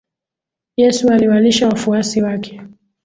Yesu aliwalisha wafuasi wake.